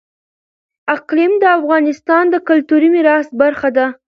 اقلیم د افغانستان د کلتوري میراث برخه ده.